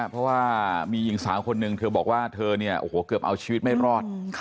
เพราะว่ามี๓คนหนึ่งเธอบอกว่าเธอเนี่ยเกือบเอาชีวิตไม่รอด